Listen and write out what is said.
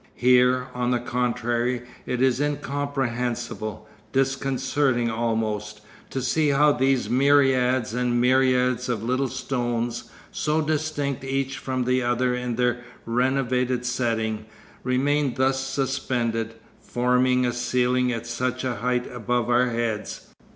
Here, on the contrary, it is incomprehensible, disconcerting almost, to see how these myriads and myriads of little stones, so distinct each from the other in their renovated setting, remain thus suspended, forming a ceiling at such a height above our heads.